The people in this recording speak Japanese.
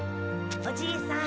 おじいさん。